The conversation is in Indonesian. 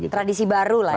tradisi baru lah ya